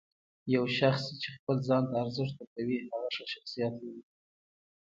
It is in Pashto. یو شخص چې خپل ځان ته ارزښت ورکوي، هغه ښه شخصیت لري.